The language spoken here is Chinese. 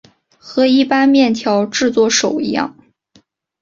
和一般面条制作手一样。